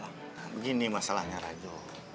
begini masalahnya rajo